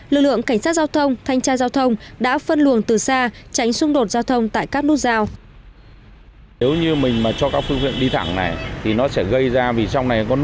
lực lượng cảnh sát giao thông thanh tra giao thông đã phân luồng từ xa tránh xung đột giao thông tại các nút giao